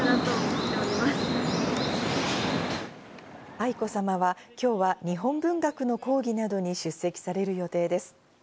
愛子さまは今日は日本文学の講義などに出席される予定です。